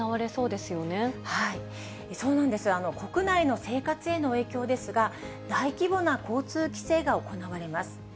そうなんです、国内の生活への影響ですが、大規模な交通規制が行われます。